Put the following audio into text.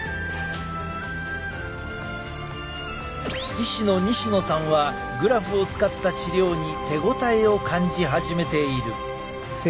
医師の西野さんはグラフを使った治療に手応えを感じ始めている。